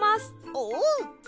おう！